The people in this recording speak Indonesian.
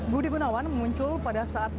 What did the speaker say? budi gunawan muncul pada saat